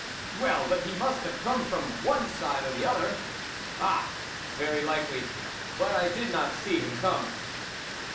" Well, but he must have come from one side or the other." " Ah 1 very likely, but I did not see him come."